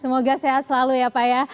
semoga sehat selalu ya pak ya